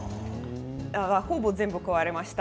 ほぼ全部壊れました。